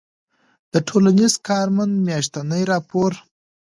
د ټـولنیـز کارمنــد میاشتنی راپــور